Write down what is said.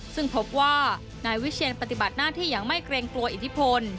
ซึ่งพบว่านายวิเชียนปฏิบัติหน้าที่อย่างไม่เกรงกลัวอิทธิพล